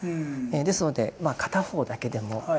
ですので片方だけでも。